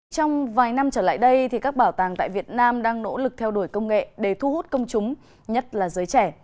trong vài năm trở lại đây các bảo tàng tại việt nam đang nỗ lực theo đuổi công nghệ để thu hút công chúng nhất là giới trẻ